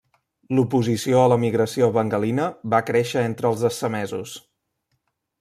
L'oposició a l'emigració bengalina va créixer entre els assamesos.